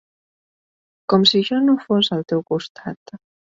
Com si jo no fos al teu costat.